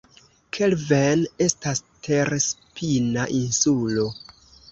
Kelvenne estas terspina insulo.